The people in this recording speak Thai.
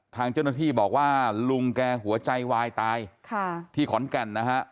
ทางเจ้าหน้าที่บอกว่าลุงแกหัวใจวายตายที่ขอนแก่นนะฮะ